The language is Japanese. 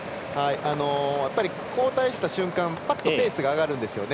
やっぱり後退した瞬間ぱっとペースが上がるんですよね。